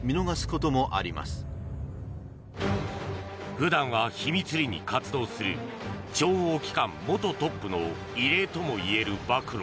普段は秘密裏に活動する諜報機関元トップの異例ともいえる暴露。